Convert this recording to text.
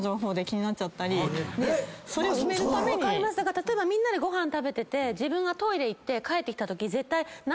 例えばみんなでご飯食べてて自分がトイレ行って帰ってきたとき絶対。